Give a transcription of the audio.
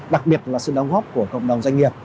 đặc biệt là sự đóng góp của cộng đồng doanh nghiệp